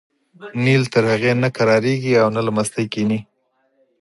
نیل تر هغې نه کرارېږي او نه له مستۍ کېني.